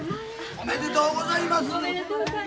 おめでとうございます。